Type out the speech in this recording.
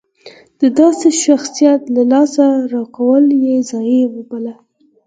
د داسې شخصیت له لاسه ورکول یې ضایعه وبلله.